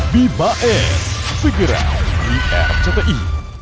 bibaes pergerak dr cti